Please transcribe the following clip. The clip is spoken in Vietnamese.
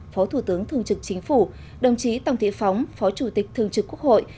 phó thủ tướng thường trực chính phủ đồng chí tòng thị phóng phó chủ tịch thường trực quốc hội